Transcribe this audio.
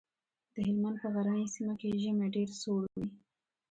د هلمند په غرنۍ سيمه کې ژمی ډېر سوړ وي.